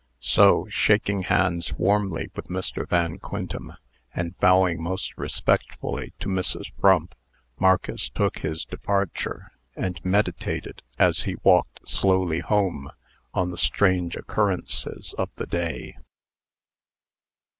So, shaking hands warmly with Mr. Van Quintem, and bowing most respectfully to Mrs. Frump, Marcus took his departure, and meditated, as he walked slowly home, on the strange occurrences of the day.